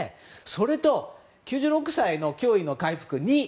それと、９６歳の驚異の回復